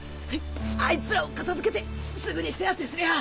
あいつらを片づけてすぐに手当てすりゃ。